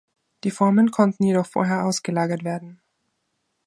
Die Formen konnten jedoch vorher ausgelagert werden.